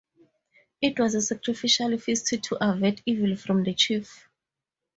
It was a sacrificial feast to avert evil from the chief.